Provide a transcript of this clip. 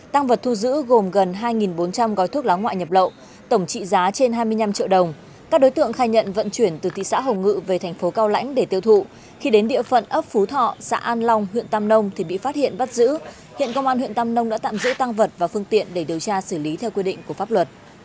tăng vật thu giữ gồm gần hai bốn trăm linh gói thuốc lá ngoại nhập lậu tổng trị giá trên hai mươi năm triệu đồng các đối tượng khai nhận vận chuyển từ thị xã hồng ngự về thành phố cao lãnh để tiêu thụ khi đến địa phận ấp phú thọ xã an long huyện tam nông thì bị phát hiện bắt giữ hiện công an huyện tam nông đã tạm giữ tăng vật và phương tiện để điều tra xử lý theo quy định của pháp luật